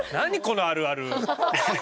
このあるある。